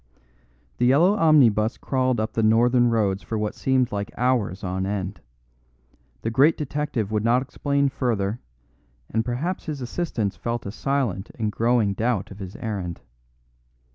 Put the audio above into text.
The yellow omnibus crawled up the northern roads for what seemed like hours on end; the great detective would not explain further, and perhaps his assistants felt a silent and growing doubt of his errand.